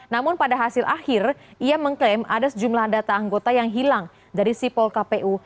namun pada hasil akhir ia mengklaim ada sejumlah data anggota yang hilang dari sipol kpu